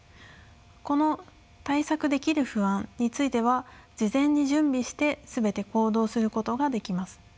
この対策できる不安については事前に準備して全て行動することができます。